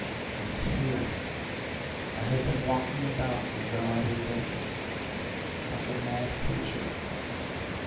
And here I have been walking about as though I were dazed, like a mad creature